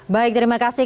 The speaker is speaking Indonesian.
baik terima kasih